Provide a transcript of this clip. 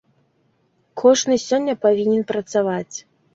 Кожны сёння павінен працаваць.